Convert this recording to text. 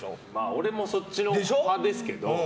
俺もそっち派ですけど。